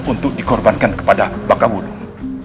untuk dikorbankan kepada bakaulung